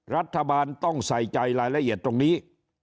รัฐบาลต้องใส่ใจรายละเอียดตรงนี้